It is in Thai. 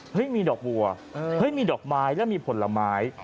มีดอกบัวเฮ้ยมีดอกไม้แล้วมีผลไม้